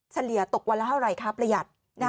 เสรียะตกวันแล้วอะไรคะประหยัด